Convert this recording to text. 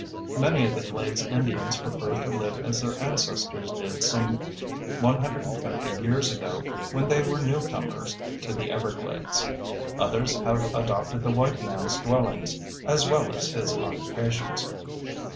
Many of the glades Indians prefer to live as their ancestors did some 150 years ago when they were newcomers to the everglades. Others have adopted the white man's dwellings (as well as his occupations).